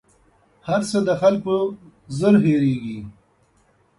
هر څه د خلکو ژر هېرېـږي